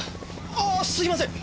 ああっすいません。